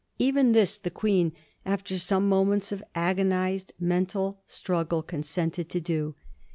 Even this the Queen, after some moments of ago nized mental struggle, consented to do.